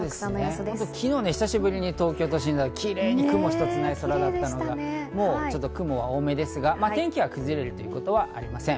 昨日、久しぶりに東京都心ではキレイに雲一つない空だったので、今日は雲が多めですが天気が崩れるということはありません。